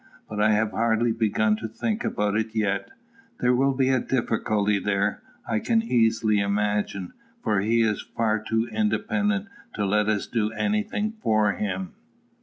But I have hardly begun to think about it yet. There will be a difficulty there, I can easily imagine; for he is far too independent to let us do any thing for him.